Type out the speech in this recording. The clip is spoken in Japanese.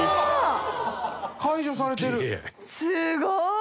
すごい！